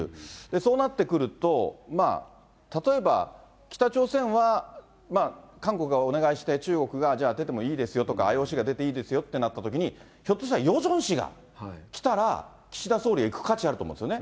そうなってくると、例えば北朝鮮は韓国がお願いして、中国が、じゃあ出てもいいですよとか、ＩＯＣが出ていいですよってなったときに、ひょっとしたら、ヨジョン氏が来たら、岸田総理は行く価値はあると思うんですね。